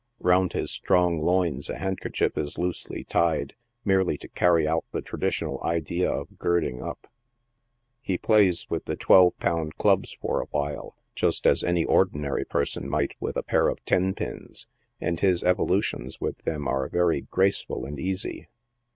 Eound his strong loins a handkerchief is loosely tied, merely to carry out the traditional idea of " girding up." He plays with the twelve pound clubs for a while, just as any ordinary person might with a pair of tenpins, and his evolu tions with them are very graceful and easy.